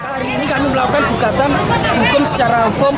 hari ini kami melakukan gugatan hukum secara hukum